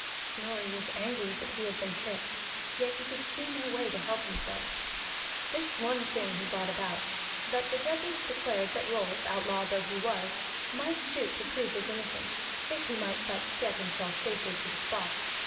Snorri was angry that he had been tricked, yet he could see no way to help himself. This one thing he brought about, that the judges declared that Rolf, outlaw though he was, might shoot to prove his innocence, if he might but get himself safely to the spot.